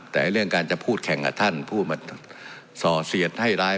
แต่เรื่องการจะพูดแข่งกับท่านพูดมาส่อเสียดให้ร้าย